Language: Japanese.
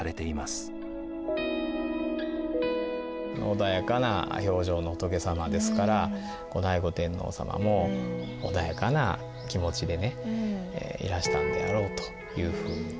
穏やかな表情の仏様ですから後醍醐天皇様も穏やかな気持ちでねいらしたんであろうというふうに。